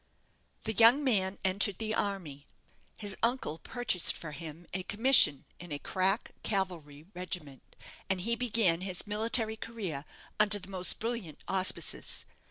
The young man entered the army. His uncle purchased for him a commission in a crack cavalry regiment, and he began his military career under the most brilliant auspices.